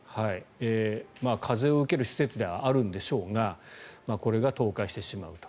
風を受ける施設ではあるんでしょうがこれが倒壊してしまうと。